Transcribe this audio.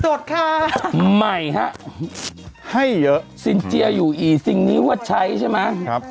ทดค่ะให้เยอะสินเจียอยู่อีสิ่งนี้ว่าใช้นะครับ